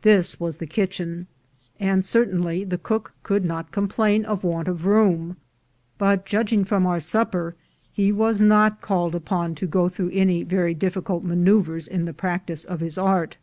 This was the kitchen; and certainly the cook could not complain of want of room; but, judg ing from our supper, he was not called upon to go through any very difficult maneuvers in the practice of his art.